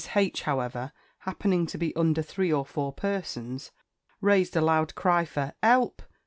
H., however, happening to be under three or four persons, raised a loud cry for "'elp!